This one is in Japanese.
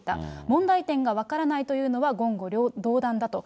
問題点が分からないというのは言語道断だと。